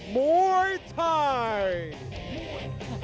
มวยไทย